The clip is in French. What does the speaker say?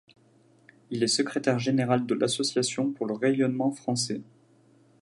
Il est secrétaire général de l'Association pour le Rayonnement Français.